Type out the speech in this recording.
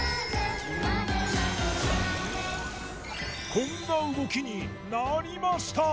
こんな動きになりました！